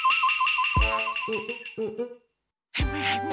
ヘムヘム。